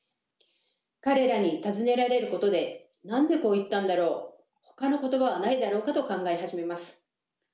彼らに尋ねられることで何でこう言ったんだろう？ほかの言葉はないだろうかと考え始めます。